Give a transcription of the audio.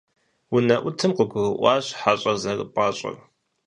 УнэӀутым къыгурыӀуащ хьэщӀэр зэрыпӀащӀэр.